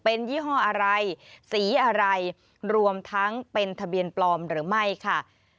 เป็นยี่ห้ออะไรสีอะไรรวมทั้งเป็นทะเบียนปลอมหรือไม่ค่ะ